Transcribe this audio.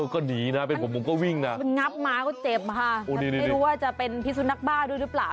ใช่ไหมคะงับมาก็เจ็บนะคะไม่รู้ว่าจะเป็นพิษุนักบ้าด้วยหรือเปล่า